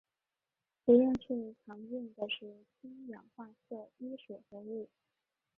实验室常用的是氢氧化铯一水合物。